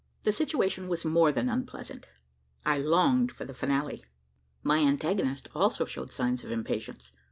The situation was more than unpleasant. I longed for the finale. My antagonist also showed signs of impatience.